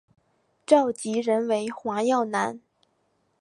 召集人为黄耀南。